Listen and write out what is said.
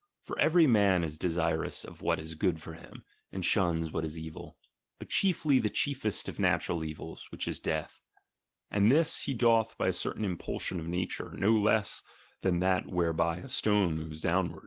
For every man is desirous of what is good for him, and shuns what is evil, but chiefly the chiefest of natural evils, which is death ; and this he doth by a certain impulsion of nature, no less than that whereby a stone moves downward.